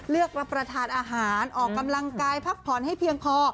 รับประทานอาหารออกกำลังกายพักผ่อนให้เพียงพอ